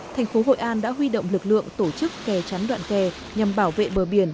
thành phố hội an đã huy động lực lượng tổ chức kè trắn đoạn kè nhằm bảo vệ bờ biển